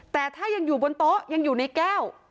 แต่ถ้ายังอยู่บนโต๊ะยังอยู่ในแก้ว